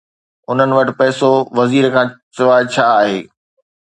هنن وٽ پئسو وزير کانسواءِ ڇا آهي؟